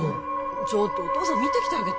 ちょっとお父さん見てきてあげて・